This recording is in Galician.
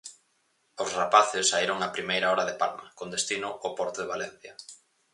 Os rapaces saíron á primeira hora de Palma, con destino ao porto de Valencia.